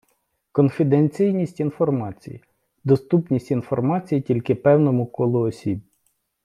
Конфіденційність інформації - доступність інформації тільки певному колу осіб.